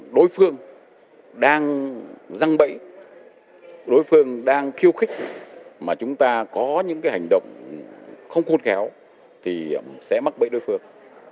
đối phương đang răng bẫy đối phương đang khiêu khích mà chúng ta có những hành động không khôn khéo thì sẽ mắc bẫy đối phương